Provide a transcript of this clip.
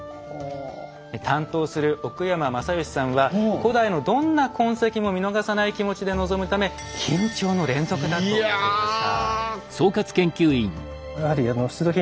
担当する奥山誠義さんは古代のどんな痕跡も見逃さない気持ちで臨むため緊張の連続だということでした。